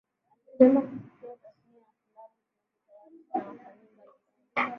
Alisema kupitia Tasnia ya filamu zinazotayarishwa na wasanii mbalimbali